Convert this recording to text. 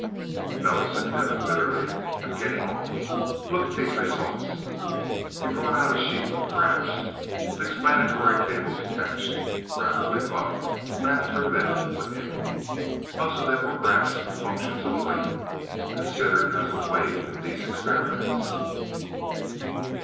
"No," said Devin bitterly, "I'm getting off. Look at these results." He brought over a sheaf of graphs, with explanatory tables attached. Rapidly Buck ran through them with him. Most of them were graphs of functions of light, considered as a wave in these experiments.